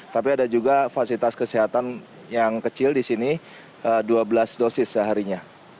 tapi ada juga fasilitas kesehatan yang kecil di sini dua belas dosis seharinya